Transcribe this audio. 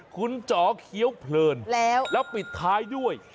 คุณจ๋อเคี้ยวเพลินแล้วปิดท้ายด้วย